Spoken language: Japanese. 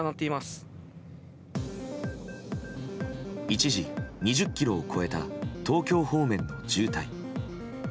一時、２０ｋｍを超えた東京方面の渋滞。